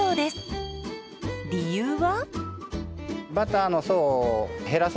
理由は。